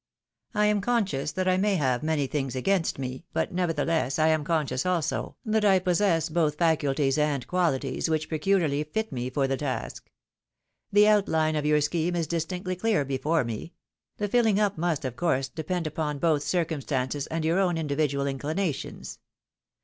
I am conscious that I may have many things against me, but, nevertheless, I am conscious also, that I possess both faculties and qualities which peculiarly fit me for the task. The outhne of your scheme is distinctly clear before me ; the filling up must, of coiirse, depend both upon circumstances and your own individual inchnations.